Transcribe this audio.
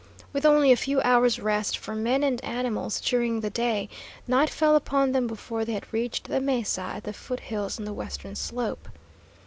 With only a few hours' rest for men and animals during the day, night fell upon them before they had reached the mesa at the foot hills on the western slope.